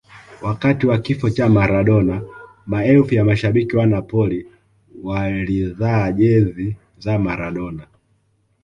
wakati wa kifo cha maradona maelfu ya mashabiki wa napoli walizaa jezi ya maradona